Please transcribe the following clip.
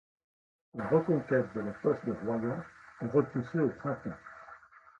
La reconquête de la poche de Royan est repoussée au printemps.